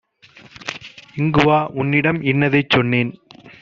இங்குவா! உன்னிடம் இன்னதைச் சொன்னேன்